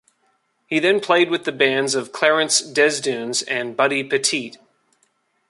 He then played with the bands of Clarence Desdunes and Buddy Petit.